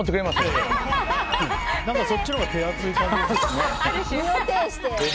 そっちのほうが手厚い感じ。